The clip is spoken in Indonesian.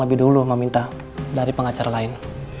lebih dulu meminta dari pengacara lain